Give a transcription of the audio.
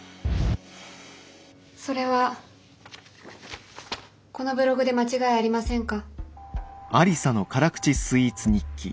それはこのブログで間違いありませんか？